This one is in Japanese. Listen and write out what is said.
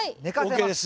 ＯＫです